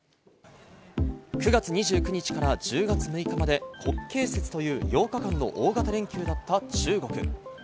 ９月２９日から１０月６日まで国慶節という８日間の大型連休だった中国。